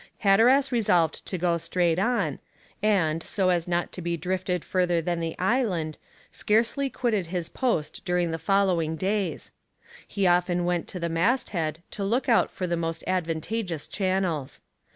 Hatteras resolved to go straight on, and, so as not to be drifted further than the island, scarcely quitted his post during the following days; he often went to the masthead to look out for the most advantageous channels.